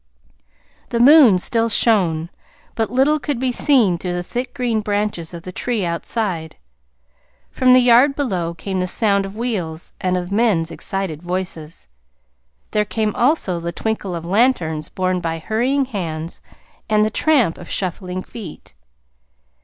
The moon still shone, but little could be seen through the thick green branches of the tree outside. From the yard below came the sound of wheels, and of men's excited voices. There came also the twinkle of lanterns borne by hurrying hands, and the tramp of shuffling feet.